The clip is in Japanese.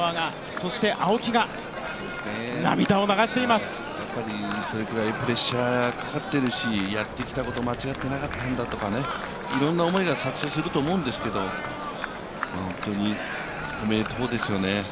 それぐらいプレッシャーかかってるしやってきたこと間違ってなかったんだとかいろんな思いが錯綜すると思うんですけど、本当におめでとうですよね。